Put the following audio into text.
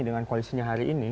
dengan koalisinya hari ini